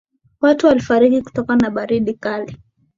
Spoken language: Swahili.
watu walifariki kutokana na baridi kali